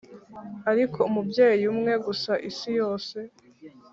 ariko umubyeyi umwe gusa isi yose.